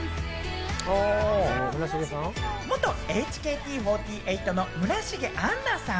元ＨＫＴ４８の村重杏奈さん。